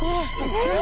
えっ？